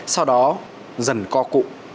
sau đó dần co cụ